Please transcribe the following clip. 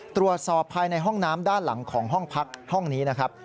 ตรวจสอบภายในห้องน้ำด้านหลังของห้องพักห้องนี้นะครับ